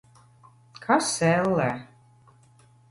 Kas, ellē?